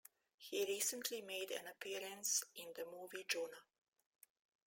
He recently made an appearance in the movie "Juno".